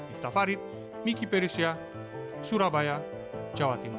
iftafarit miki perisya surabaya jawa timur